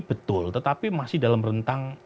betul tetapi masih dalam rentang